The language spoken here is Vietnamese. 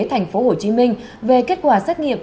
tp hcm về kết quả xét nghiệm